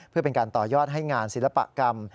เพื่อเป็นการต่อยอดให้งานศิลปกรรม